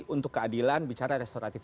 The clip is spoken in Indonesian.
untuk keadilan bicara restoratif